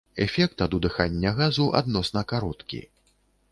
Эфект ад удыхання газу адносна кароткі.